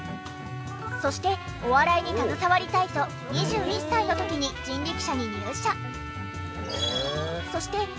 そしてお笑いに携わりたいと２１歳の時に人力舎に入社。